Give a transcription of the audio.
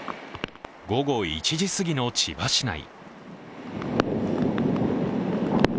午後１時すぎの千葉市内。